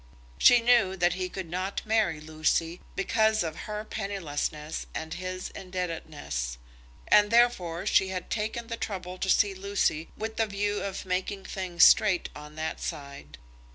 She knew that he could not marry Lucy, because of her pennilessness and his indebtedness; and therefore she had taken the trouble to see Lucy with the view of making things straight on that side.